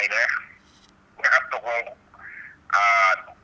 คุณพ่อได้จดหมายมาที่บ้าน